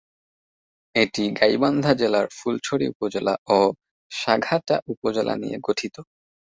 এটি গাইবান্ধা জেলার ফুলছড়ি উপজেলা ও সাঘাটা উপজেলা নিয়ে গঠিত।